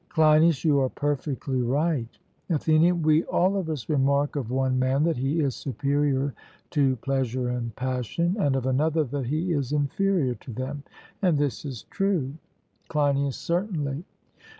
CLEINIAS: You are perfectly right. ATHENIAN: We all of us remark of one man that he is superior to pleasure and passion, and of another that he is inferior to them; and this is true. CLEINIAS: Certainly.